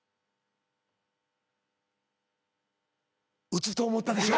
打つと思ったでしょ。